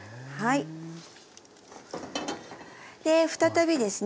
で再びですね